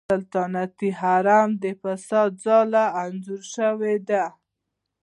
سلطنتي حرم د فساد ځاله انځور شوې ده.